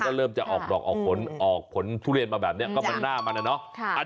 ก็เริ่มจะออกดอกออกผลออกผลทุเรียนมาแบบนี้ก็มันหน้ามันอะเนาะ